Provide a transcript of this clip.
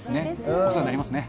お世話になりますね。